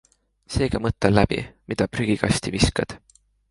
Seega mõtle läbi, mida prügikasti viskad.